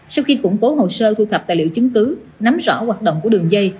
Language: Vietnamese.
sau khi củng cố hồ sơ thu thập tài liệu chứng cứ nắm rõ hoạt động của đường dây